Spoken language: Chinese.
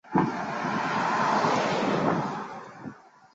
他也很注重如何为首年学习化学的学生选题和授课。